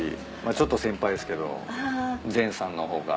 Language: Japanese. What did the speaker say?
ちょっと先輩ですけど禅さんの方が。